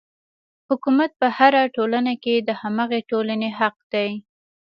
حکومت په هره ټولنه کې د هماغې ټولنې حق دی.